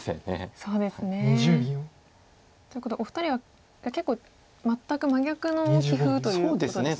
そうですね。ということはお二人は結構全く真逆の棋風ということですね。